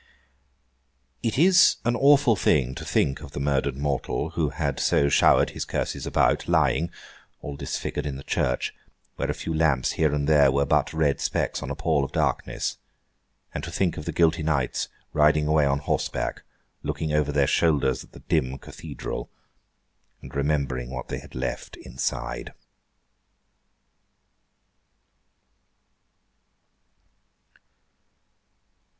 It is an awful thing to think of the murdered mortal, who had so showered his curses about, lying, all disfigured, in the church, where a few lamps here and there were but red specks on a pall of darkness; and to think of the guilty knights riding away on horseback, looking over their shoulders at the dim Cathedral, and remembering what they had left inside.